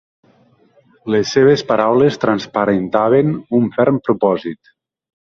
Les seves paraules transparentaven un ferm propòsit.